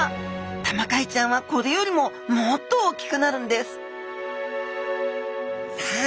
タマカイちゃんはこれよりももっとおっきくなるんですさあ